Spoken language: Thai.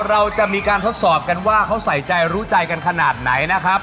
เราจะมีการทดสอบกันว่าเขาใส่ใจรู้ใจกันขนาดไหนนะครับ